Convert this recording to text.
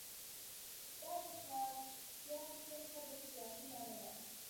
دا د ښکارچیانو څخه د خلاصون لاره ده